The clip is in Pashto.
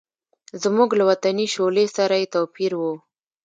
زموږ له وطني شولې سره یې توپیر و.